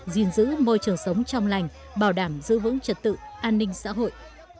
giữ môi trường sống trong lành bảo đảm giữ vững trật tự an ninh xã hội